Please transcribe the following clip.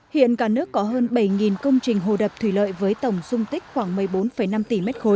hiện cả nước có hơn bảy công trình hồ đập thủy lợi với tổng dung tích khoảng một mươi bốn năm tỷ m ba